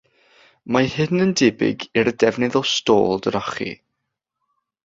Mae hyn yn debyg i'r defnydd o stôl drochi.